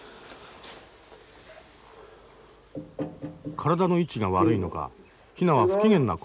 体の位置が悪いのかヒナは不機嫌な声で鳴く。